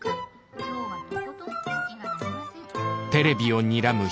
今日はとことんツキがありません」。